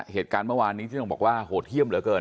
เหตุการณ์เมื่อวานนี้ที่ต้องบอกว่าโหดเยี่ยมเหลือเกิน